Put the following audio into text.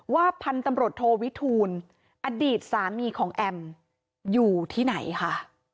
พันธุ์ตำรวจโทวิทูลอดีตสามีของแอมอยู่ที่ไหนค่ะ